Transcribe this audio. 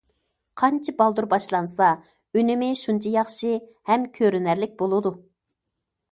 قانچە بالدۇر باشلانسا، ئۈنۈمى شۇنچە ياخشى ھەم كۆرۈنەرلىك بولىدۇ.